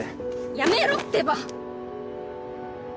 やめろってば！